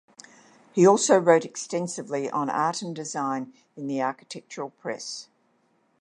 He also wrote extensively on art and design in the architectural press.